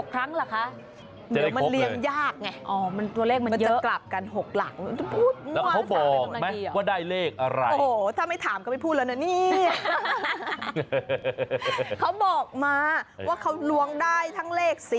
เค้าบอกมาว่าเขาร่วงได้ทั้ง๔๖เลข